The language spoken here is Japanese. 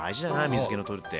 水けをとるって。